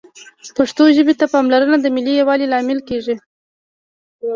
پښتو ژبې ته پاملرنه د ملي یووالي لامل کېږي